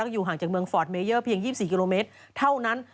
อยู่ห่างจากเมืองฟอร์ดเมเยอร์เพียง๒๔กิโลเมตรเท่านั้น